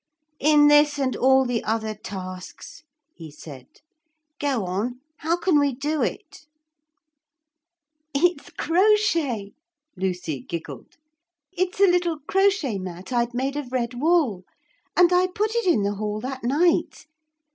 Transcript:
'In this and all the other tasks,' he said. 'Go on. How can we do it?' 'It's crochet,' Lucy giggled. 'It's a little crochet mat I'd made of red wool; and I put it in the hall that night.